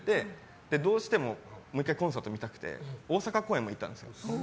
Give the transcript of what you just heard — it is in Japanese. どうしてももう１回コンサートが見たくて大阪公演も行ったんですよ。